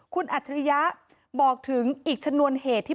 คุณอัจฉริยะบอกถึงอีกชนวนเหตุที่